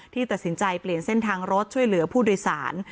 ตัดสินใจเปลี่ยนเส้นทางรถช่วยเหลือผู้โดยสาร